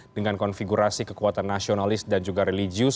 dengan konfigurasi kekuatan nasionalis dan juga religius